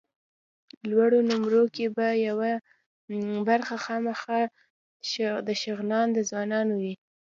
لوړو نومرو کې به یوه برخه خامخا د شغنان د ځوانانو وي.